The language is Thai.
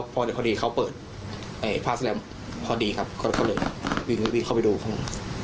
พอดีเขาเปิดพาร์ทแซมพอดีครับก็เลยวิ่งเข้าไปดูครับ